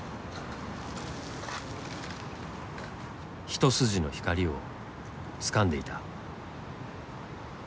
一筋の光をつかんでいた。